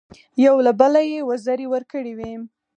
یو له بله یې وزرې ورکړې وې.